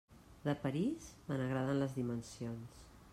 De París, me n'agraden les dimensions.